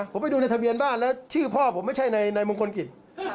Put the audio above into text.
ผมไปดูในทะเบียนบ้านแล้วชื่อพ่อผมไม่ใช่ในมงคลกิจ